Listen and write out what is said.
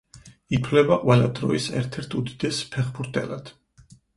ითვლება ყველა დროის ერთ-ერთ უდიდეს ფეხბურთელად.